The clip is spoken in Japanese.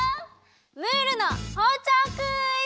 ムールのほうちょうクイズ！